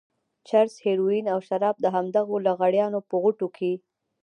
چرس، هيروين او شراب د همدغو لغړیانو په غوټو کې.